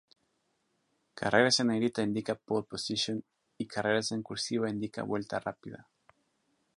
Carreras en negrita indica pole position y carreras en "cursiva" indica vuelta rápida.